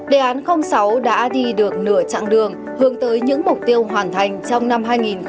đề án sáu đã đi được nửa chặng đường hướng tới những mục tiêu hoàn thành trong năm hai nghìn hai mươi